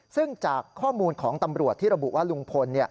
ซึ่งจากข้อมูลของตำรวจที่ระบุว่าลุงพล